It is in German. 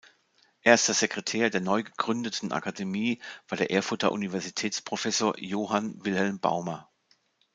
Erster Sekretär der neu gegründeten Akademie war der Erfurter Universitätsprofessor Johann Wilhelm Baumer.